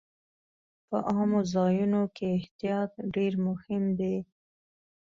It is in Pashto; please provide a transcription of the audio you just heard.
په عامو ځایونو کې احتیاط ډېر مهم دی.